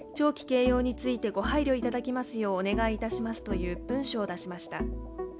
掲揚についてご配慮いただきますようお願いいたしますという文書を出しました。